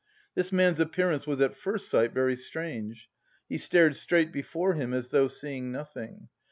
This man's appearance was at first sight very strange. He stared straight before him, as though seeing nothing.